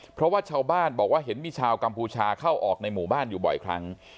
เพราะว่าชาวบ้านบอกว่าเห็นมีชาวกัมพูชาเข้าออกในหมู่บ้านอยู่บ่อยครั้ง